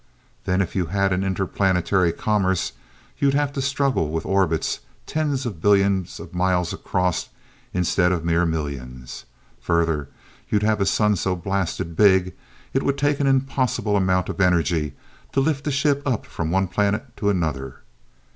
Then if you had an interplanetary commerce, you'd have to struggle with orbits tens of billions of miles across instead of mere millions. Further, you'd have a sun so blasted big, it would take an impossible amount of energy to lift the ship up from one planet to another.